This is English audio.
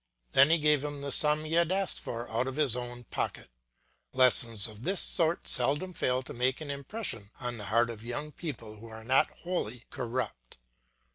Then he gave him the sum he had asked for out of his own pocket. Lessons of this sort seldom fail to make an impression on the heart of young people who are not wholly corrupt.